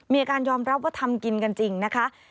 ยอมรับว่าทำกินกันจริงนะคะ